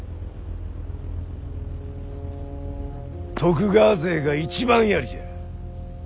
徳川勢が一番槍じゃ。